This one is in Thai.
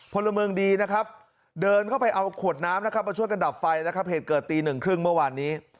พลเมืองดีนะครับเดินเข้าไปเอาขวดน้ำนะครับมาช่วยกันดับไฟนะครับเหตุเกิดตีหนึ่งครึ่งเมื่อวานนี้